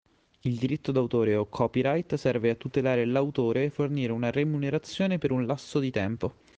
Il Diritto d’autore o CopyRight serve a tutelare l’autore e fornire una remunerazione per un lasso di tempo.